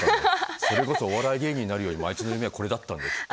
それこそお笑い芸人になるよりもあいつの夢はこれだったんだよきっと。